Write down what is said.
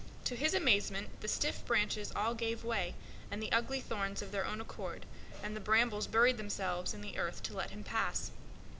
To his amazement the stiff branches all gave way, and the ugly thorns drew back of their own accord, and the brambles buried themselves in the earth to let him pass.